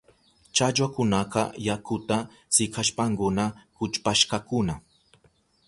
Challwakunaka yakuta sikashpankuna kuchpashkakuna.